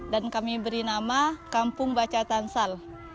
dan kami beri nama kampung baca tansal